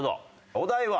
お題は？